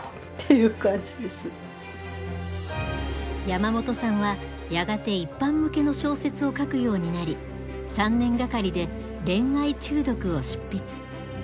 山本さんはやがて一般向けの小説を書くようになり３年掛かりで「恋愛中毒」を執筆。